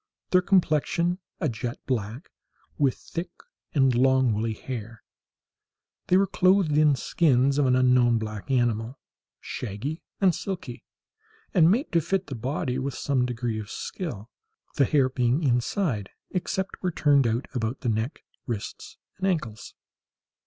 Their complexion a jet black, with thick and long woolly hair. They were clothed in skins of an unknown black animal, shaggy and silky, and made to fit the body with some degree of skill, the hair being inside, except where turned out about the neck, wrists, and ankles.